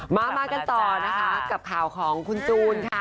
มามากันต่อนะคะกับข่าวของคุณจูนค่ะ